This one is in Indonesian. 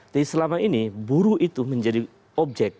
jadi selama ini buruh itu menjadi objek